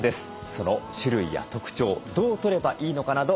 その種類や特徴どうとればいいのかなど見てまいります。